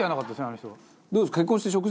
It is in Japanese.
あの人は。